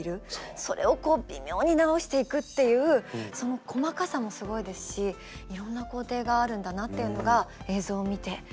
それを微妙に直していくっていうその細かさもすごいですしいろんな工程があるんだなっていうのが映像を見てよく分かりました。